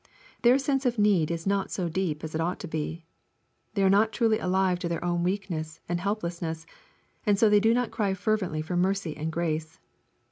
Their sense of need is not so deep as it ought to be. They are not truly alive to their own weakness and helplessness, and BO they do not cry fervently for mercy and grace.